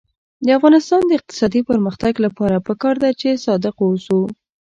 د افغانستان د اقتصادي پرمختګ لپاره پکار ده چې صادق اوسو.